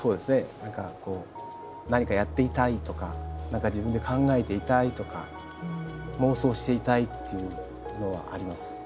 何かこう「何かやっていたい」とか「何か自分で考えていたい」とか「妄想していたい」っていうのはあります。